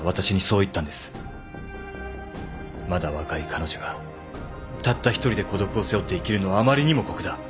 まだ若い彼女がたった一人で孤独を背負って生きるのはあまりにも酷だ。